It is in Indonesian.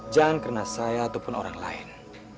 jangan karena saya ataupun orang lain